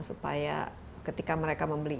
supaya ketika mereka membeli